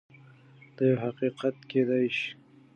دا يو حقيقت کيدای شي.